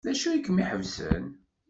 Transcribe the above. D acu ay kem-iḥebsen?